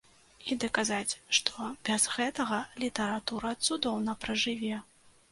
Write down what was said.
І даказаць, што без гэтага літаратура цудоўна пражыве.